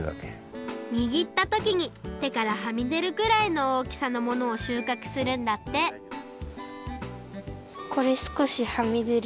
にぎったときにてからはみでるぐらいのおおきさのものをしゅうかくするんだってこれすこしはみでる。